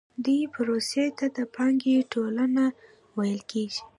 دې پروسې ته د پانګې ټولونه ویل کېږي